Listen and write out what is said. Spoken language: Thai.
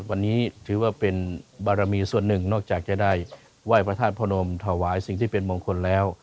วันนี้ถือว่าเป็นบารมีส่วนหนึ่งนอกจากจะได้ไหว้พระธาตุพระนมถวายสิ่งที่เป็นมงคลแล้ว